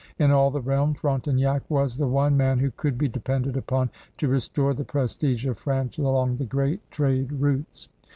In all the realm Frontenac was the one man who could be depended upon to restore the prestige of France along the great trade routes.